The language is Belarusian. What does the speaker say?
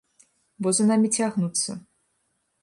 Бо за намі цягнуцца.